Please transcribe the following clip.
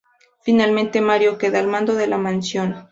Finalmente Mario queda al mando de la mansión.